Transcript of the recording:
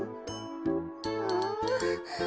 うん。